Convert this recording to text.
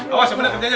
awas ya udah kerja aja